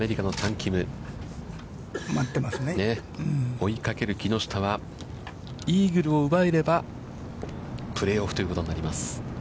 追いかける木下は、イーグルを奪えれば、プレーオフということになります。